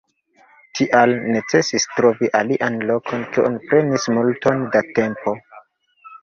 Tial necesis trovi alian lokon, kio prenis multon da tempo.